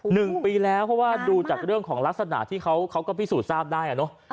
หนึ่งปีแล้วเพราะว่าดูจากเรื่องของลักษณะที่เขาก็พิสูจน์ทราบได้อ่ะเนอะ